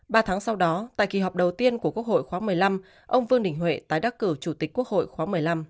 ba tháng sau đó tại kỳ họp đầu tiên của quốc hội khóa một mươi năm ông vương đình huệ tái đắc cử chủ tịch quốc hội khóa một mươi năm